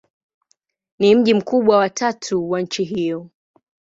Ni mji mkubwa wa tatu wa nchi hiyo.